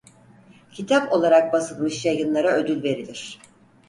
Kitap olarak basılmış yayınlara ödül verilir.